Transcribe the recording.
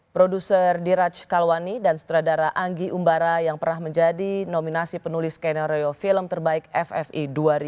produser diraj kalwani dan sutradara anggi umbara yang pernah menjadi nominasi penulis skenario film terbaik ffi dua ribu dua puluh